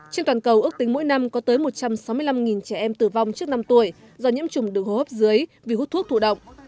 trên toàn cầu ước tính mỗi năm có tới một trăm sáu mươi năm trẻ em tử vong trước năm tuổi do nhiễm trùng đường hô hấp dưới vì hút thuốc thủ động